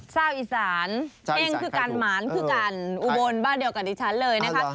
เจ้าอีสานเห้งคือกันหมานคือกันอุบลบ้านเดียวกันอีกชั้นเลยนะครับ